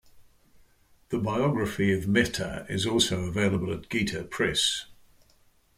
The biography of Mehta is also available at Geeta Press.